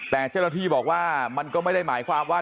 แต่เจ้าหน้าที่บอกว่ามันก็ไม่ได้หมายความว่า